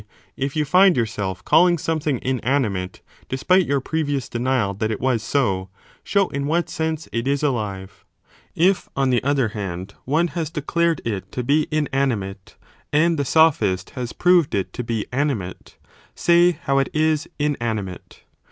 if you find yourself calling something inanimate, 2 despite your previous denial that it was so, show in what sense it is alive : if, on the other hand, one has declared it to be inanimate and the sophist has proved it to be animate, say how it is inanimate.